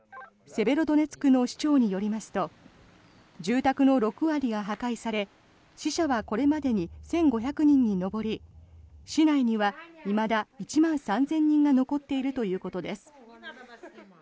セベロドネツクの市長によりますと住宅の６割が破壊され死者はこれまでに１５００人に上り市内には、いまだ１万３０００人が残っているということです。